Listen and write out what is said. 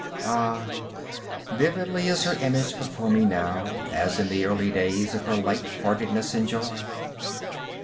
Ah, vividly is her image before me now, as in the early days of her light heartedness and joy!